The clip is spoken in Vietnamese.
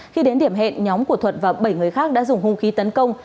khi đến điểm hẹn nhóm của thuận và bảy người khác đã dùng hung khí tấn công